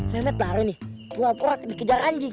mehmet baru nih pulau pulau dikejar anjing